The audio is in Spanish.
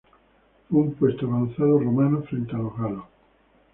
Fue un puesto avanzado romano frente a los galos.